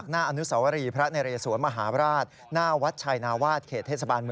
คุณอาศนองค์บอกว่ามีแรงกิ้นคะแนนสะสมอันดับ๗